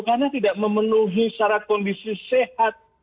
karena tidak memenuhi syarat kondisi sehat